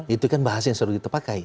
itu kan bahasa yang sudah kita pakai